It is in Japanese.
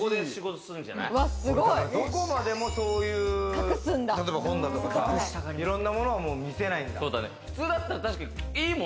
どこまでもそういう本棚とか、いろんなものは見せないんだ。